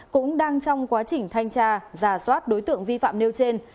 cũng đang trong quá trình thanh tra giả soát đối tượng vi phạm nêu trên